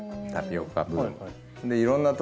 いろんな所